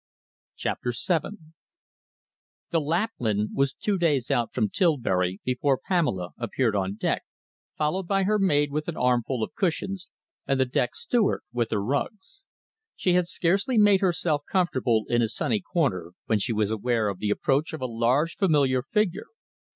CHAPTER VII The Lapland was two days out from Tilbury before Pamela appeared on deck, followed by her maid with an armful of cushions, and the deck steward with her rugs. She had scarcely made herself comfortable in a sunny corner when she was aware of the approach of a large, familiar figure.